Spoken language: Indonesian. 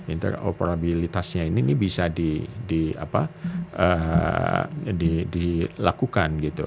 interoperabilitasnya ini bisa dilakukan gitu